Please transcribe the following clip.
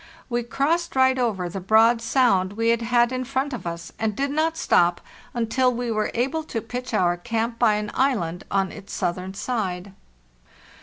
We crossed right over the broad sound we had had in front of us, and did not stop until we were able to pitch our camp by an island on its southern side.